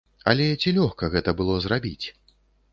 Але ці лёгка гэта было зрабіць?